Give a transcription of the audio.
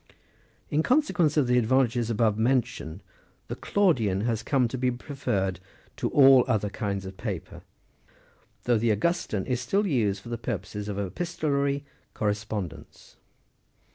25 In consequence of the advantages above mentioned, the Claudian has come to be preferred to all other kinds of paper, though the Augustan is still used for the purposes of epistolary correspondence.